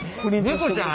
猫ちゃん？